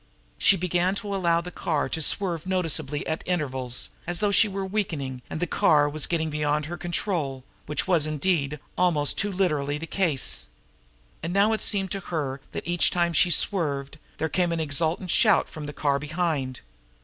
She began to allow the car to swerve noticeably at intervals, as though she were weakening and the car was getting beyond her control which was, indeed, almost too literally the case. And now it seemed to her that each time she swerved there came an exultant shout from the car behind.